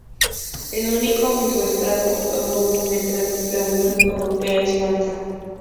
El único microestado europeo miembro de la Unión Europea es Malta.